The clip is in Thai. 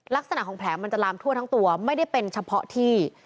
ลักษณะของแผลมันจะลามทั่วทั้งตัวไม่ได้เป็นเฉพาะที่